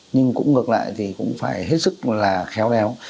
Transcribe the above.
nhưng cũng ngược lại thì cũng phải hết sức là khéo léo